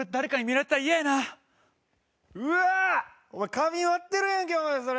お前花瓶割ってるやんけお前それ。